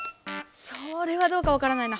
それはどうかわからないな。